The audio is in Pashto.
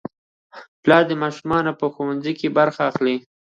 پلار د ماشومانو په ښوونځي کې برخه اخلي